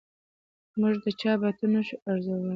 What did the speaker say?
موږ د چا باطن نه شو ارزولای.